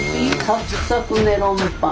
サクサクメロンパン。